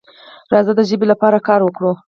راځه د ژبې لپاره کار وکړو.